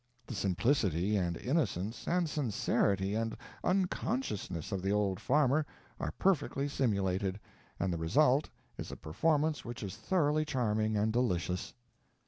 The simplicity and innocence and sincerity and unconsciousness of the old farmer are perfectly simulated, and the result is a performance which is thoroughly charming and delicious.